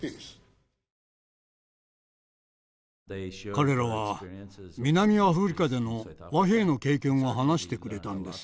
彼らは南アフリカでの和平の経験を話してくれたんです。